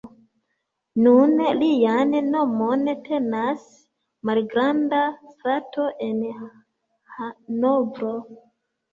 Nun lian nomon tenas malgranda strato en Hanovro.